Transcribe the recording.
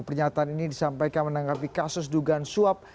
pernyataan ini disampaikan menanggapi kasus dugaan suap